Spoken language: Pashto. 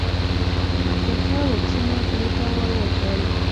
ترخه واکسین یې خولې ته راواچول.